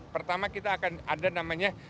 pertama kita akan ada namanya